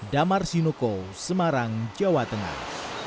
damar sinuko semarang jawa tengah